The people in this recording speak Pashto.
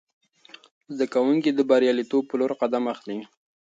زده کوونکي د بریالیتوب په لور قدم اخلي.